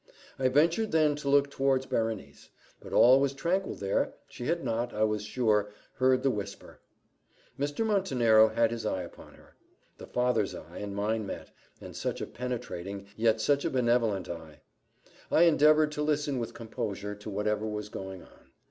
I ventured then to look towards Berenice; but all was tranquil there she had not, I was sure, heard the whisper. Mr. Montenero had his eye upon her; the father's eye and mine met and such a penetrating, yet such a benevolent eye! I endeavoured to listen with composure to whatever was going on.